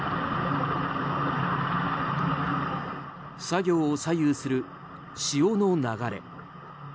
作業を左右する潮の流れ。